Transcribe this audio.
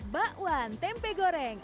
bakwan tempe goreng